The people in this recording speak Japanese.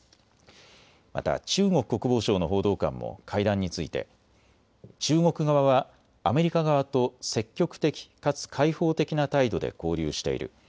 また中国国防省の報道官も会談について中国側はアメリカ側と積極的かつ開放的な態度で交流している。